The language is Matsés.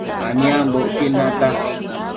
aniambocquid nata